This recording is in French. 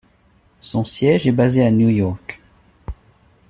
Son siège est basé à New York.